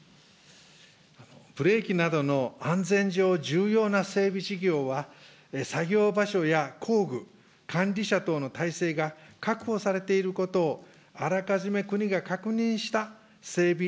ブレーキなどの安全上重要な整備事業は、作業場所や工具、管理者等の体制が確保されていることをあらかじめ国が確認した整備